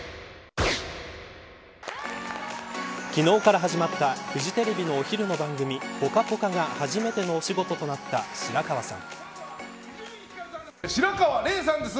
昨日から始まったフジテレビのお昼の番組ぽかぽかが初めてのお仕事となった白河さん。